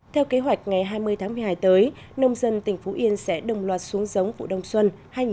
theo kế hoạch ngày hai mươi tháng một mươi hai tới nông dân tỉnh phú yên sẽ đồng loạt xuống giống vụ đông xuân hai nghìn một mươi chín hai nghìn hai mươi